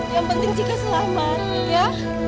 yang penting jika selamat ya